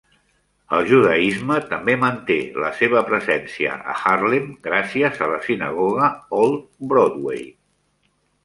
El judaisme també manté la seva presència a Harlem gràcies a la Sinagoga Old Broadway.